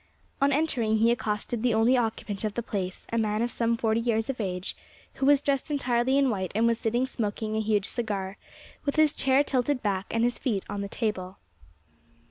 On entering he accosted the only occupant of the place, a man of some forty years of age, who was dressed entirely in white, and was sitting smoking a huge cigar, with his chair tilted back and his feet on the table.